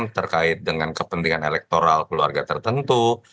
terkait dengan kepentingan elektoral keluarga tertentu